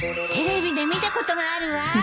テレビで見たことがあるわ。